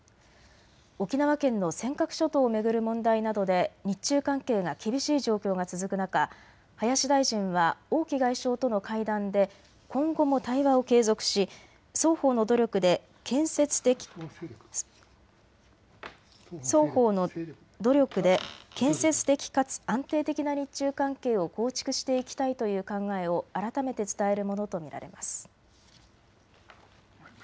沖縄県の尖閣諸島を巡る問題などで日中関係が厳しい状況が続く中、林大臣は王毅外相との会談で今後も対話を継続し双方の努力で建設的かつ安定的な日中関係を構築していきたいという考えを改めて伝えるものと見られます。